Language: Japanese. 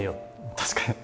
確かに。